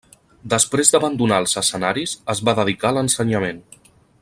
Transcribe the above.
Després d'abandonar els escenaris es va dedicar a l'ensenyament.